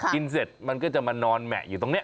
เสร็จมันก็จะมานอนแหมะอยู่ตรงนี้